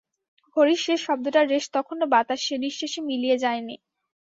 ঘড়ির শেষ শব্দটার রেশ তখনো বাতাসে নিঃশেষে মিলিয়ে যায়নি।